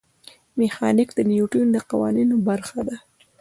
میخانیک د نیوټن د قوانینو برخه ده.